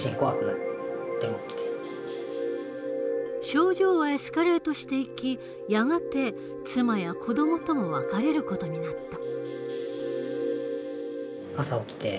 症状はエスカレートしていきやがて妻や子どもとも別れる事になった。